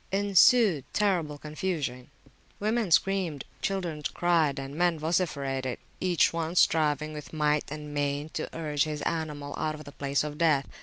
Ensued terrible confusion; women screamed, children cried, and men vociferated, each one striving with might and main to urge his animal out of the place of death.